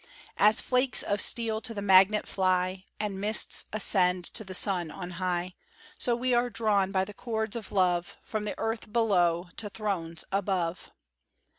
As flakes of steel to the magnet fly, And mists ascend to the sun on high, So we are drawn by the cords of love From the earth below to thrones above.